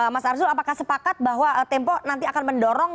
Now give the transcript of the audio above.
mas arzul apakah sepakat bahwa tempo nanti akan mendorong